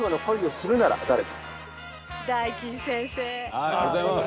ありがとうございます。